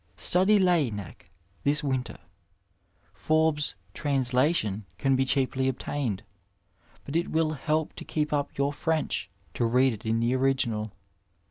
Stadj LaSnnec this winter ; Forbes's Translation can be cbeaplj obtained, but it will help to keep up youi French to read it in the original.